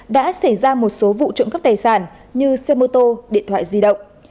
đã xảy ra một số vụ trộm cắp tài sản như xe mô tô điện thoại di động